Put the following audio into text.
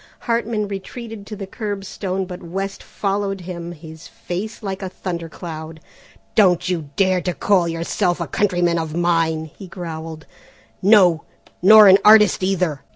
Hartman retreated to the curbstone, but West followed him, his face like a thunder cloud. "Don't you dare to call yourself a countryman of mine," he growled, "no, nor an artist either!